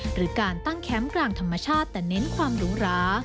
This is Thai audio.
หรือการตั้งแคมป์กลางธรรมชาติแต่เน้นความหรูหรา